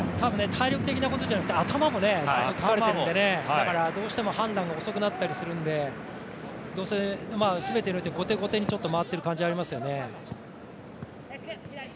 体力的なことじゃなくて頭も疲れてるのでどうしても判断が遅くなったりするんで、全てに置いて後手後手に回ってる感じありますよね。